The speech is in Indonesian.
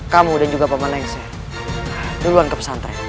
kamu dan juga paman nengser duluan ke pesantren